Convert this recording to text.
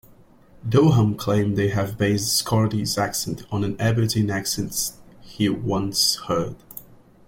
Doohan claimed to have based Scotty's accent on an Aberdeen accent he once heard.